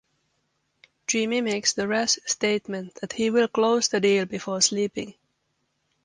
Jimmy makes the rash statement that he will close the deal before sleeping.